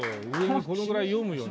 このぐらい読むよな。